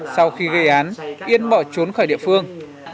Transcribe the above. sau khi gây án yên bỏ trốn khỏi địa phương